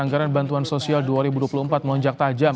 anggaran bantuan sosial dua ribu dua puluh empat melonjak tajam